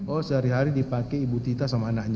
oh sehari hari dipakai ibu tita sama anaknya